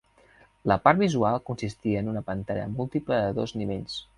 La part visual consistia en una pantalla múltiple de dos nivells.